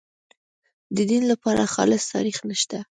د دین لپاره خالص تاریخ نشته.